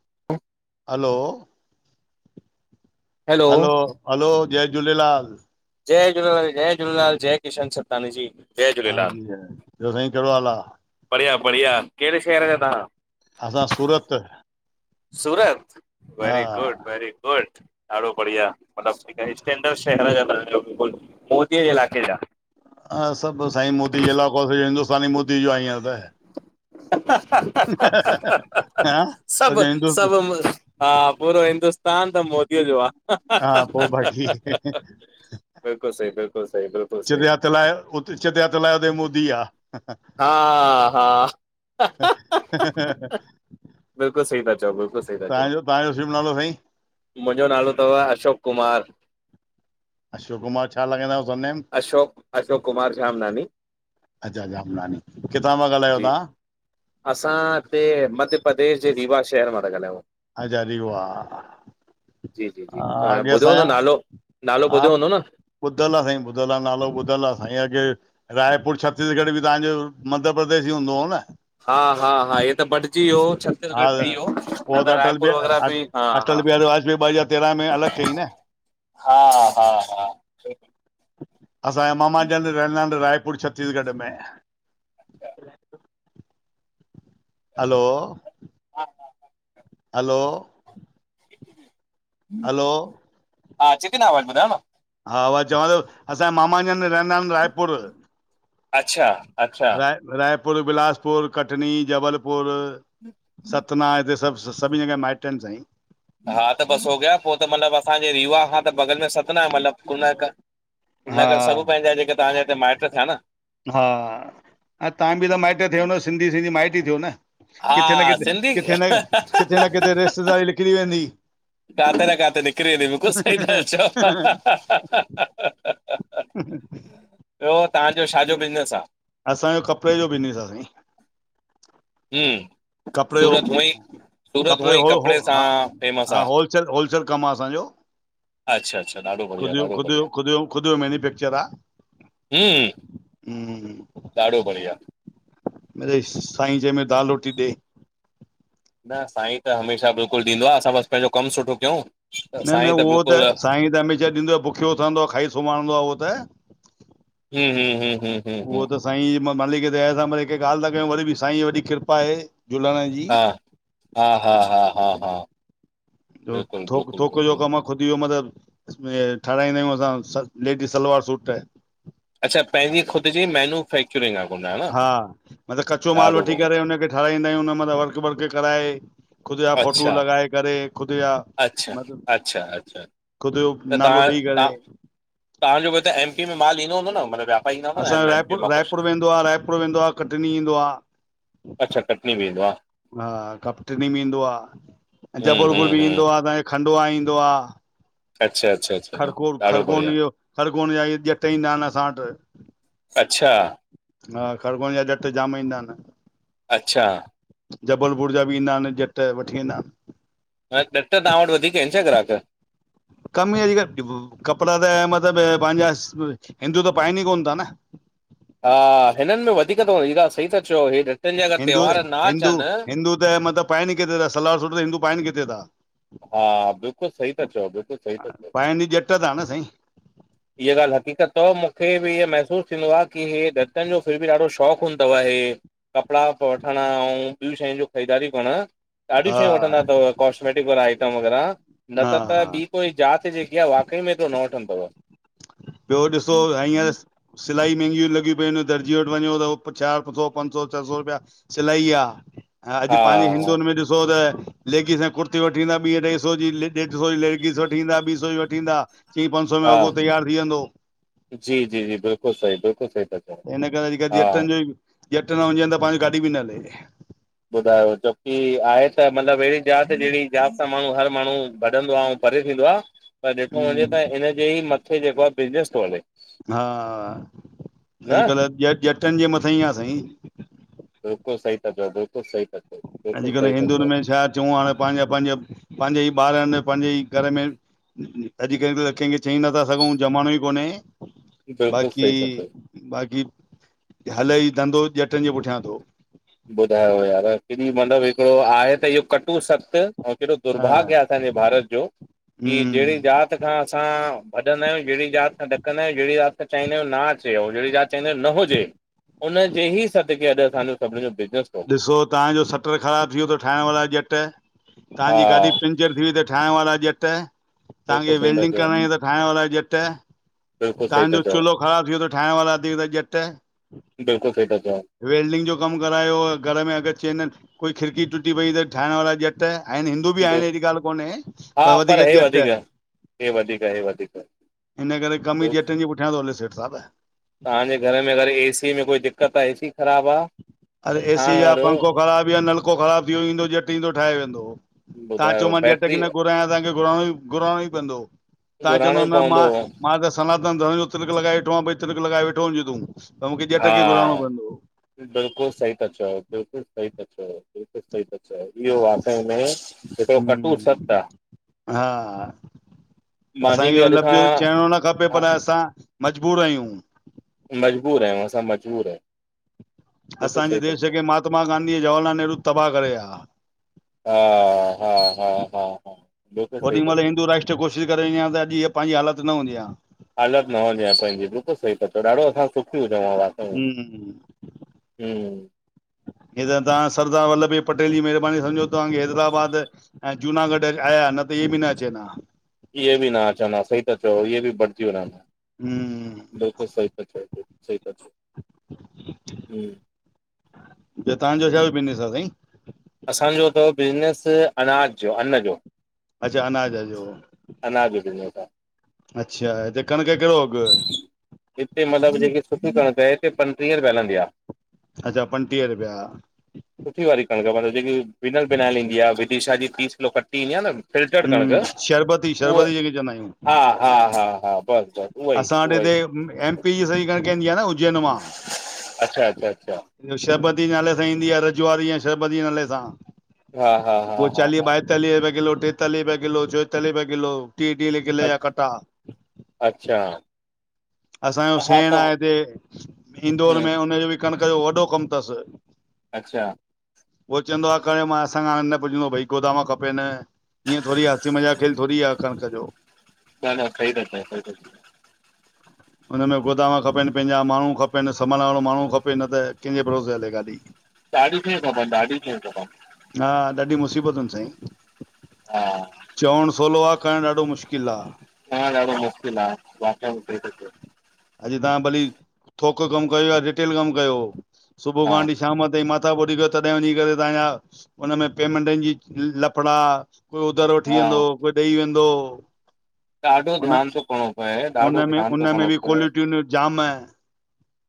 [inaudible] हलो hello, hello hello जय झूलेलाल! जय झूलेलाल, जय झूलेलाल जय किशन सतानी जी जय हां झूलेलाल, जी है। ॿयो साईं कहिड़ो हाल आ? बढ़िया बढ़िया कहिड़े शहर जा तां? असां सूरत सूरत हा वेरी गुड़, वेरी गुड़ ॾाढो बढ़िया, मतिलबु हिकु स्टेन्डर शहरु जे अंदर मुंहिंजो [unintelligible] सभु हा सभु साईं मोदी जे इलाको थी वेंदो, हिन्दुस्तान ईं मोदी जो आहे इयं त हा हा हि हि हि हां सॼो हिंदुस्त हिंदुस्, हा पूरो हिंदुस्तान त मोदीअ जो आ। हा पो बाक़ी बिल्कुलुु सईं, बिल्कुलुु सईं, बिल्कुलु सईं [unintelligible] ते चदिया तलाया ते मोदी आ। हा हा, तव्हां बिल्कुलु सही था चओ, बिल्कुलु सही था चओ, जो तव्हांजो शुभ नालो साईं? मुंहिंजो नालो तव, अशोक कुमार। अशोक कुमार छा लगाईंदां आयो सरनेम? अशोक, अशोक कुमार झामनानी। अच्छा, झामनानी, किथां ता ॻाल्हायो जी तव्हां? असां हिते, मध्य प्रदेश जे रीवा शहरु मां था ॻाल्हायूं। अच्छा, रीवा। जी, जी, जी, तहां ॿुधियो हूंदो नालो नालो हा ॿुधियो हूंदो न ॿुधल आ, साईं ॿुधलु आ, नालो ॿुधलु आ साईं, अगे रायपुर, छत्तीसगढ़ बि तव्हांजो मध्य प्रदेश ईं हूंदो हो न? हा, हा, हा हे त बटजी वियो छ हा छत्तीसगढ़ ठही वियो न त रायपुर वग़ैरा बि, हा हा अटल बिहारी वाजपेयी ॿ हज़ार तेरहं में अलॻि कई न हा हा हा, असांजा मामा ॼन रहंदा आहिन रायपुर छत्तीसगढ़ में। हलो, हा हा हा, हलो, [inaudible] हलो, हा, अचे ती न आवाज़ ॿुधयो न हा वा चवां थो असांजा मामा जन र ना इन रायपुर, अच्छा अच्छा राय रायपुर बिलासपुर कटनी जबलपुर सतना हिते सभु अं सभी जगह माइट इन सांईं। हा त बसि हो गिया पो त मतिलबु असांजे रीवा खां त बॻल में सतना आए मतिलब। कुनाक हा कुनक सभु पेंजा जेके तहांजे हिते माइट थिया न। हा, ऐं तव्हां बि त माइट थियो न सिंधी सिंधी माइट ई थियो न। हा किथे न किथे सिंधी किथे न किथे न किथे रिश्तेदारी निकिरी वेंदी। काथे न काथे निकिरी वेंदी बिलकुल सही था चओ। [inaudible] ॿियो तहांजो छा जो बिज़नेस आ? असांजो कपिड़े जो बिज आ साईं। हूं, कपिड़े जो, कपिड़े हूअं जो ई हो हो हा सां फेमस हा आहे होलसेल होलसेल कमु आ असांजो। अच्छा अच्छा ॾाढो बढ़िया कुदयो ॾाढो बढ़िया कुदयो कुदयो मैन्यफैक्चर आ। हम्म हूं, ॾाढो बढ़िया। मरेई साईं जंहिंम में दाल रोटी ॾे। न साईं त हमेशा बिल्कुलु ॾींदो आ असां बसि पंहिंजो कमु सुठो कयूं। त न न साईं उहो त बिल्कुलु साईं त हमेश ॾींदो आ भुखियो उठाईंदो आहे खाई सुम्हारींदो आ उहो त। हू हूं हूं हूं, उहो त साईं जी मालिक दया था कयूं वरी साईं जी वॾी कृपा आए झलण हा, हा हा हा हा हा जो बिल्कुलु थक बिल्कुलु थौक जो बिल्कुलु कम आ खुदि जो, मतिलबु इसमे ठाराहींदां आहियूं असां लेडी सलवार सूट अच्छा पंहिंजी ख़ुद जी मैन्युफैक्चरिंग आ [unintelligible] कोन्हयो? हा मतिलबु कचो माल वठी करे हुनखे ठाराईंदा आहियूं उन मथा वर्क बर्क कराए ख़ुदि जा फोटू अच्छा लॻाए करे खुदि जा अच्छा, अच्छा अच्छा खुद जो त नालो तव्हां ॼई करेे तव्हां तव्हांजो त एम पी में माल ईंदो हूदों न मतलब त? असांजो रायपुर रायपुर वेंदो आ, रायपुर वेंदो आ कटनी ईंदो आ अच्छा कटनी बि ईंदो आ? हा कपटनी बि ईंदो आ, ऐ हम्म जबलपुर हम्म बि हम्म ईंदो आ तव्हांखे खंडुवा ईंदो आ अच्छा अच्छा अच्छा खरगोन ॾाढो खरगोन बढ़िया इहो खरगोन जा इते ॼट ईंदा आहिनि असां वटि अच्छा हा खरगोन जा जट जाम ईंदा आहिनि अच्छा जबलपुर जा बि ईंदा आहिनि जट वठी वेंदा आहिनि छा जट तव्हां वटि वधीक आहिनि छा ग्राहक? कम ई अॼुकल्ह [unintelligible] कपिड़ा त मतिलबु पंहिंजा हिंदू त पाइनि ई कोन था न हा हिननि में वधीक थव हीरा सही था चयो हे ॾटनि जा अगरि हिंदू, त्योहार न हिंदू अचनि हिंदू त मतिलब पाइन ई किथे था सलवार सुट त हिंदू पाइन किथे ता हा बिल्कुलु सही ता चओ, बिल्कुलु सही त चओ पाइनि जट था न साईं हीअ ॻाल्हि हक़ीक़त थव मूंखे बि इअ महसूसु थींदो आ कि ही जटनि जो फिर बि ॾाढो शौंक़ु हूंदो आहे। कपड़ा बि वठण अउ ॿियूं शयूंनि जो ख़रीदारियूं करण ॾाढियूं हा शयूं वठंदा थव, कॉस्मेटिक वारा आइटम वग़ैरह हा नत त ॿी कोई जात जेकी आ वाक़ई में एतिरो न वठंदो थव ॿियो ॾिसो हींअर सिलाई महंगियूं लॻियू पयूं आहिनि दरिजी वटि वञो त, हू पुछा को पंज सौ छह सौ रुपया सिलाई आ, ऐं अॼु हा पाजें हा हिंदुुनि में ॾिसो त लेगीस ऐं कुर्ती वठी ईंदा ॿीं अढाई सौ जी, ॾेढ सौ जी लेगीस वठी ईंदा ॿी सौ ई वठी ईंदा थी पंच सौ में हा वॻो त्यार थी वेदों, जी जी जी बिल्कुलु सही बिल्कुलु सही था चओ हिन करे अॼुकल हा जटनि जो ई ॼट न हुजनि त पाहिंजी गाॾी बि न हले। ॿुधायो छोकी आहे त मतिलबु अहिड़ी जात जहिड़ी जात सां माण्हू हर माण्हू भॼंदो अऊं परे थींदो आ, पर ॾिठो वञे हम्म त हिन्जे ई मथे जेको आहे बिज़नेस थो हले। हा, न अॼुकल्ह ॼ ॼटनि जे मथा ई आहे साईं। बिल्कुलु सही था चओ, बिल्कुलु सही था बिल्कुलु सही अॼुकल्ह था हिंदुुनि चओ में छा चऊं हाणे पाहिंजा पाहिंजा पाहिंजा ई ॿार आहिनि पाहिंजे ई घर मे अॼुकल्ह त कंहिंखे चई नथा सघूं, जमानो ई कोन्हे बिल्कुलु बाक़ी, सही था चओ बाक़ी हले ई धंधो ॼटनि जे पुठियां थो। ॿुधायो यार केॾी [unintelligible] मल हिकिड़ो आहे त इहो कटूं सत्य् ऐं केॾो हा दुर्भाग्य आ असांजे भारत जो, की जहिड़ी हम्म जात जात खां असां भॼंदा आहियूं जेड़ी जाति खां ॾकंदां आहियूं जेड़ी जाति त चाहीदां आहियू न अचे और जेड़ी जात चईदां आयू न हुजे, उनजे ही सदके अॼु असांजो सभनी जो बिज़नस ॾिसो तव्हांजो सटर ख़राब थी वियो तव, ठाहिण वारा ॼट तव्हांजी गाॾी प [unintelligible] ॼट तांखे हा वेल्डिंग कराइण ठहिण वारा ॼट बिल्कुलु सही था तांहजो चओ चूल्हो ख़राब थी वियो थो ठाहिण वारा भी त जट बिल्कुलु सही ता चओ। वेल्डिंग जो कमु करायो हो घर में, अगर चवंदा आहिनि कोई खिड़की टुटी पई त ठाहिण वारा ॼ त आहिनि हिंदू बि आहिनि, अहिड़ी ॻाल्हि कोन्हे, पर वधीक ॼट हे वधीक आ, हे वधीक आ हिन करे कमु ही ॼटनि जे पुठियां थो हले सेठ साहिब तांहजे घर में अगर एसी में कोई दिक़्क़त आ, ए सी ख़राबु आ, त हा यार ख़राब या नलको ख़राब थी वियो ईंदो ॼट ईंदो ठाहे वेंदो, तां चओ ॿुधायो मां ॼट खे बैटरी न घुरायां तांहजो घराइणो, घुराइणो ई पवंदो तां घुराइणो चवंदव ई न पवंदो मां मां त सनातन धर्म जो तिलिक लॻाए वेठो हुम, भई तिलिक लॻाए वेठो हुञजे तूं, त मूंखे ॼट हा खे घुराइणो पवंदो। बिल्कुलु सही त चओ, बिल्कुलु सही त चओ। बिल्कुलु सही था चयो, इहो वाकई में हिकड़ो कटू हम्म सत आ। हा। मांजी बि अॼु खां हुन खपे हा पर असां, मजबूर आहियूं मजबूर आहियूं, असां मजबूर आहियूं। बिल्कुलु असांजे सही था देश चओ खे महात्मा गांधी, जवाहरलाल नेहरु तबाह करे वया। हा, हा हा, हा हा बिल्कुल सही ओॾी ता महिल चओ [unintelligible] करे इअं, त अॼु इअं पंहिंजी हालत न हुजे हां हालत न हुजे आ पंहिंजी, बिल्कुलु सही ता चओ, ॾाढो असां सुखी हुजूंं हां। हम्म हं हं हे त तव्हां सरदार वल्लभ भाई पटेल जी महिरबानी समझो तव्हांखे हैदराबाद ऐं जूनागढ़ आया, न त इहे बि न अचनि हा। इहे बि न अचनि सही ता चओ, इहे बि बटिजी वञनि हा। हम्म बिल्कुलु सही ता सही चओ, सही ता चओ हम्म तव्हांजो छाजो बिजनस आ, साईं? असांजो त बिज़नेस अनाज जो आ, अन्न जो। अच्छा, अनाज जो। अनाज जो [unintelligible] अच्छा, हिते कणिक कहिड़ो अघ? हिते मतिलबु जेकी सुठी कणिक आहे, हिते पंटीह रुपया हलंदी आ। अच्छा पंटीह रुपया। सुठी वारी कणिक मतलब जेकी बिनल बिनायल ईंदी आ, विदिशा जी तीस किलो कटी ईंदी आ न फिल्टर कणिक, हम्म शरबती उह शरबती जंहिंखे चवंदा आहियूं हा हा, हा हा बस बस उहोई उहोई। एमपी जी सही कणिक ईंदी आ न, उज्जैन मां। अच्छा, अच्छा, अच्छा। शरबती नाले सां ईंदी आ, रजुआरी या शरबती नाले सां, हा हा हा उहा हा चालीह हा बाऐ तालीह रूपये किलो, टेतालीय रूपये किलो, चोएतालीह रूपये किलो, टीहें टीहें अ किले जा कटा अच्छा। असांजो हा त सेण आहे हिते इंदौर हम्म में, हुनजो बि कणिक जो वॾो कमु तसि। अच्छा। उहो चवंदो आ कयो न मां हाणे, असांखे न पुंजदो भई गोदाम खपेनि इअं थोरी आ हसी मजाक खेल थोरी आ, कणिक जो [unintelligible] हुनमें गोदाम खपेनि पहिंजा, माण्हूं खपनि सम्भालण वारो माण्हूं खपे, न त केजे भरोसे हले गाॾी [inaudible] डाढी शेए खपन ॾाढी शय ख़पन हा ॾाढी मुसीबतुनि साईं हा चउणु सोलो आ करणु ॾाढो मुश्किलु आ। हा दाढो मुश्किल आ, वाक़ई सही ता चयो। अॼु तां भली थोक कमु कयो या रिटेल कमु कयो सुबुह हा खांं वठी शाम ताईं मथां फोरी कयो तॾहिं वञी करे, तांजा हुनिन में पेमेंटनि जी लफड़ा कोई उधारो वठी वेंदो, हा कोई ॾेई वेंदो। ॾाढो हुन धियान तो करणो पए, ॾाढो हुनमें धियान थो हुनमें करणो बि पए। क्वालिटियूं जाम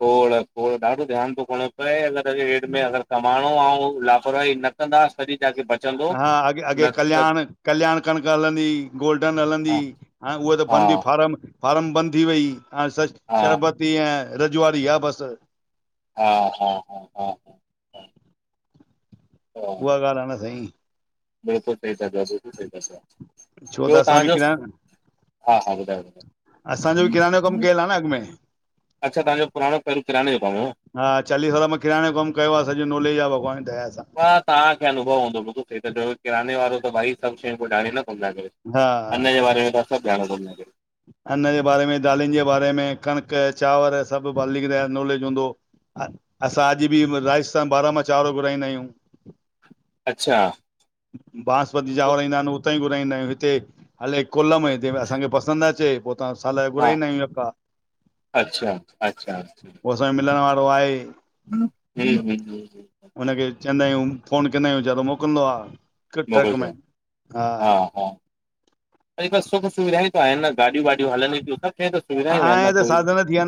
खोड़- खोड़ ॾाढो ध्यानु थो करणो पए अगरि अॼु हिन में अगरि कमाणो आ, ऐं लापरवाही न [unintelligible] हा अे अॻे न त कल्याण कल्याण कणिक हलंदी, गोल्डन हलंदी हा ऐं उहा त हा बंदी फार्म फार्म बंदि थी वई, ऐं हाणे हा शरबती ऐं रजवाड़ी आहे बसि हा -हा -हा -हा उहा ॻाल्हि आहे न सई बिल्कुल सही तां चयो, बिल्कुल सही तां चयो। छो त असां बि किरायो काने हा हा ॿुधायो असांजो बि किराने जो कमु ॿुधायो कयल आ, न अॻि में। अच्छा तवांजो पुरानो पंहिंरो किराने [unintelligible] हा चालीह साल मां किराने जो कमु कयो आ, सॼो नॉलेज आ, भगवान जी दया सां हा तांखे अनुभव हूंदो, बिलकुल सही ता चओ किराने वारो त भई, सभु शयूं को जाणे न। हा अन्न जे बारे में ता सभु जाणदा हुदव? अन्न जे बारे में दालनि जे बारे में कणक, चांवर सभु मालिक दया जी नॉलेज हूंदो। असां अॼु बि राजस्थान बारामा चांवर घुराईंदा आहियूं। अच्छा बासमती चांवर ईंदा हिनि हुते ई घुराईंदा आहियूं हिते हले, कोलम हित असांखे पसंदि न अचे। हा, साल जा हा, घुराईदा हुंय यका, अच्छा, अच्छा, पो असांजा मिलण वारा [unintelligible] ह, हुं, हुं ह हुनखे चईदा हियूं फ़ोन केदा आहियूं वेचारो मोकुलींदो आ मोकिलजे, हा हा, कई बार सुख सुविधाएं आहे न गाॾियूं -वाॾियूं हलनिे थियूंस, उते सुविधाई हुयं न हाणे त कोई साधन थी विया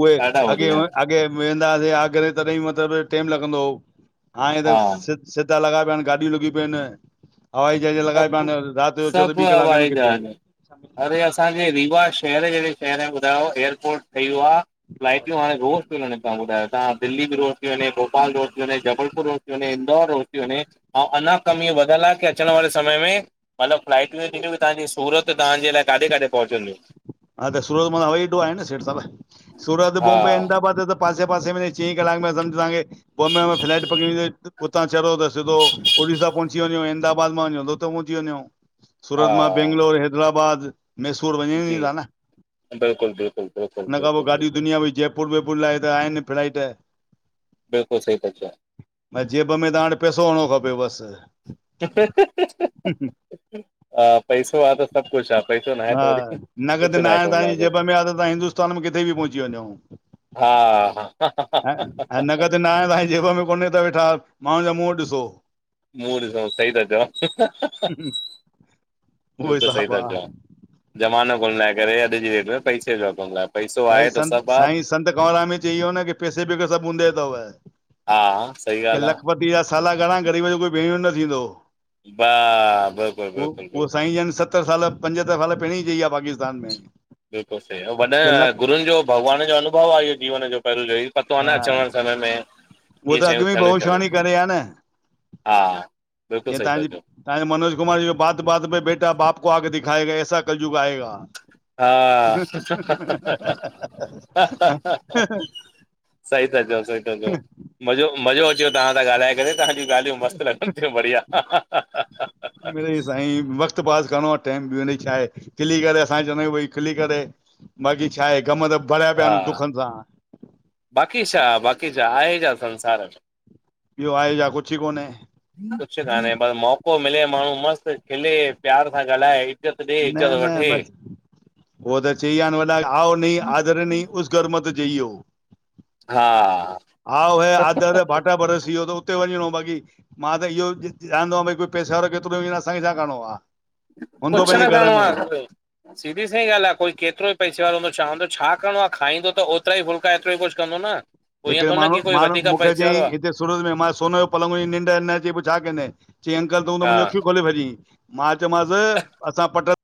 उए ॾाढा वधी विया आहिनि, अॻे वेेंदासीं आगरे तॾहिं मतिलबु टेम लॻंदो हो, हाणे हा, त सीधा लॻा पिया आहिनि, गाडियूं लॻूं पयूं हिनि हवाई जहाज लॻाइपान सभु न राति जो चओ त ॿी सभु क़लाक में हवाई किथे। जहाज अरे! असांजे रीवा शहर जहिड़े शहर में ॿुधायो एयरपोर्ट ठही वियो आ। लाइटियूं हाणे घोर। वञे तवां ॿुधायो तां दिल्ली बि रोज़ थी वञे भोपाल रोज़ थी वञे जबलपुर रोज़ थी वे इंदौर रोज़ थी वञे। अऊं अञा कमीअ वधल आ कि अचण वारे समय में, मतिलबु फ्लाईट बी टिकट तांजी सूरत तांजे लाइ काॾे काॾे पहुचंदियूं। हा, त सूरत मां हवाईअड्डो आहे न सेठि साहिब, सूरत हा बॉम्बे अहमदाबाद त पासे पासे में चईं कलाके में समझ तांखे, बॉम्बे में फ्लाइट पकड़े हुतां चढ़ो त सिधो ओड़ीसा पहुची वञो, अहमदाबाद मां वञो त पहुची वञो। हा सूरत मां बैंगलोर, हैदराबाद, मैसूर वञूं जी ई ता न। बिल्कुलु बिल्कुलु बिल्कुलु बिल्कुलु बिल्कुलु। त भई जैपुर ॿैपुर लाइ त आहिनि फ्लाईट। बिल्कुलु सही ता चओ। जेब में तां वटि पैसो हुअणु खपे बसि। हा, पैसो आ त सभु कुछु आ, पैसो न आहे त हा, वरी नगदि कुझु न आहे कमु तांजी लाइ जेब में आ त तां हिंदुस्तान में किथे बि पहुची वञो हा हा। ऐं नगदि न आये तां जे जेब में कोन्हे त वेठा माण्हुनि जा मुंहुं ॾिसो। मुंहुं ॾिसऊं, सही ता चओ, उहो बिल्कुल सही हिसाबु ता आहे चओ। ज़मानो कोन लाइ करे अॼु जी रेट, पैसे जो कोन लाए पैसो भाई आहे त संत सभु आ। साईं संत कंवराम ई चई वयो न कि पैसे बिगर सभु ऊंदहि तव। हा, सही ॻाल्हि आ। [unintelligible] जा साला घणा ग़रीब जो कोई भेणीवो न थींदो। वाह बिल्कुलु पो, बिल्कुलु पो बिल्कुलु साईंजनि सतर साल पंज दफा त पहिरीं चई विया पाकिस्तान में। बिल्कुलु सही, वॾनि की लख गुरूनि जो भॻवान जो अनुभव आ इहो जीवन जो पहिरियों जो ही। पतो आ हा न अचण करण में उहो इहे त शयूं अॻु में थियणु ई थियणु। भविष्यवाणी करे आहे न हा, बिल्कुलु सही। हांजी, मनोज कुमार जी जो बात बात में बेटा बाप को आंख दिखाएगा, एसा कलजुग आएगा। हा। सही ता चओ सही ता चओ मज़ो, मज़ो अची वयो तहां सां ॻाल्हाए करे तव्हां जूं ॻाल्हियूं मस्त लॻो बढ़िया। मिरई साईं, वक़्तु पास करिणो आ टाइम मिरई छाए। खिली करे असां चवंदा आहियूं भई खिली करे, बाक़ी छा आहे कम त भरिया पिया हा आहिनि दुखनि सां। बाक़ी छा, बाक़ी छा आहे छा संसार में। ॿियो आहे छा, कुछु कोन्हें। कुछ कान्हें, पर मौको मिले माण्हू मस्त खिले प्यार सां ॻाल्हाए। इज़त ॾे इज़त न न वठे। बसि उहो त चईवया न वॾा आऊ नहीं आदर नहीं उस घर मति जईयो। हा अऊ ऐं आदर भाटिया [unintelligible] उते वञिणो बक़ी, मां त इहो चअंदोआं भई कोई पैसेवारो थो तो त असांखे छा करिणों आ। हून्दो पेंजे [unintelligible] सिधी सईं ॻाल्हि आ, कोई केतिरो ई पैसे वारो हूंदो छा हुंदो छा करणो आ खाईंदो त ओतिरा ई फुल्का हेतिरो ई कुछु कंदो न। पोइ ईअं हिकिड़े थो न माण्हू, की कोई माण्हू वधीक मुखें पैसे चयई वारो हिते सूर्य में मां सोने जो पलंग हुजयी निंड न अचई पो छा कंदे? चईं अंकल तूं त आहे हा मुंहिंजियूं अखियूं खोले भॼि, मां चयोमांस असां पट